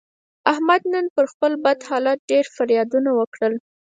احمد نن پر خپل بد حالت ډېر فریادونه وکړل.